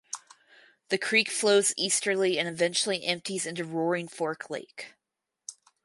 The creek flows easterly and eventually empties into Roaring Fork Lake.